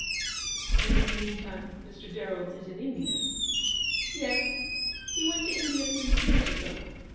"And, in the meantime, Mr. Darrell is in India?" " Yes. He went to India three years ago.